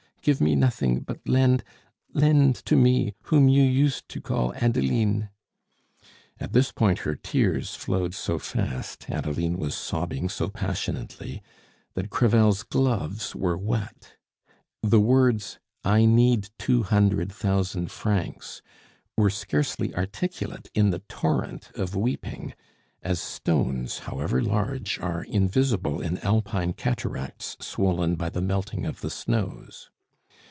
Give me nothing, but lend lend to me whom you used to call Adeline " At this point her tears flowed so fast, Adeline was sobbing so passionately, that Crevel's gloves were wet. The words, "I need two hundred thousand francs," were scarcely articulate in the torrent of weeping, as stones, however large, are invisible in Alpine cataracts swollen by the melting of the snows.